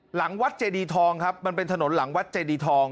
หลังวัดเจดีทองครับมันเป็นถนนหลังวัดเจดีทอง